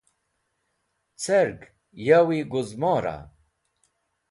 Cerg yawi gũzmora?